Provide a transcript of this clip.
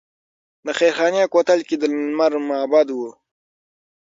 د خیرخانې کوتل کې د لمر معبد و